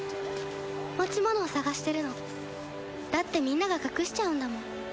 持ち物を捜してるのだってみんなが隠しちゃうんだもん